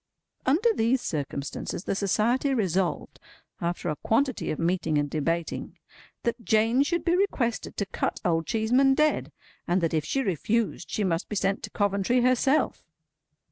Under these circumstances, the Society resolved, after a quantity of meeting and debating, that Jane should be requested to cut Old Cheeseman dead; and that if she refused, she must be sent to Coventry herself.